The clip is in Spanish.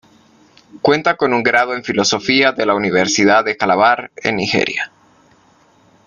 Cuenta con un grado en filosofía de la Universidad de Calabar en Nigeria.